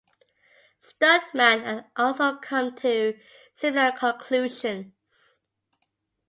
Studman had also come to similar conclusions.